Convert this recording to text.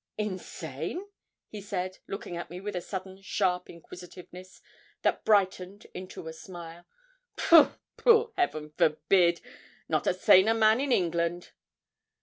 'Insane?' he said, looking at me with a sudden, sharp inquisitiveness, that brightened into a smile. 'Pooh, pooh! Heaven forbid! not a saner man in England.'